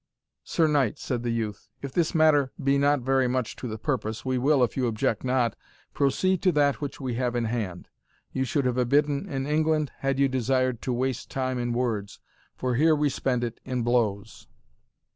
"Sir Knight," said the youth, "if this matter be not very much to the purpose, we will, if you object not, proceed to that which we have in hand. You should have abidden in England had you desired to waste time in words, for here we spend it in blows."